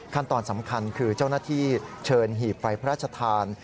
ขั้นตอนสำคัญคือเจ้าหน้าที่เชิญหีบไฟพระราชทาน